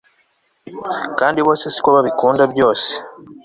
kandi bose si ko babikunda byose